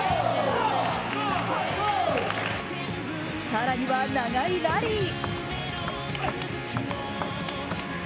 更には長いラリー！